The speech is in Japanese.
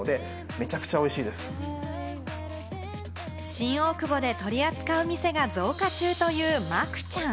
新大久保で取り扱う店が増加中というマクチャン。